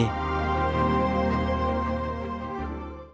สวัสดีครับ